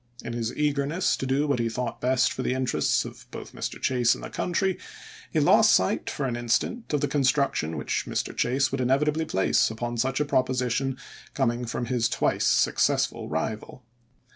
In his eager ness to do what he thought best for the interests of both Mr. Chase and the country, he lost sight for an instant of the construction which Mr. Chase would inevitably place upon such a proposi tion coming from his twice successful rival.